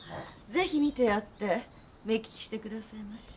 是非見てやって目利きして下さいまし。